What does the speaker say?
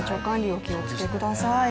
お気をつけください。